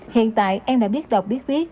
hiện tại em đã biết đọc biết viết